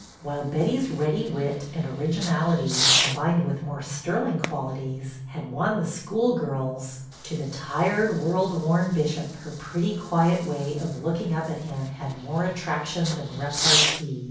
While Betty's ready wit and original ity, combined with more sterling qualities, had won the schoolgirls, to the tired, world worn Bishop her pretty quiet way of looking up at him had more attraction than repartee.